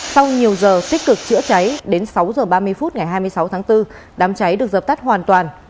sau nhiều giờ tích cực chữa cháy đến sáu h ba mươi phút ngày hai mươi sáu tháng bốn đám cháy được dập tắt hoàn toàn